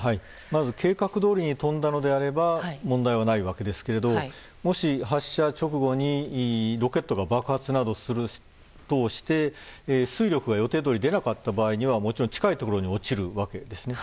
まず計画どおりに飛んだのであれば問題はないわけですけれどもし発射直後にロケットが爆発などして出力が予定どおり出なかった場合にはもちろん近いところに落ちるわけですね。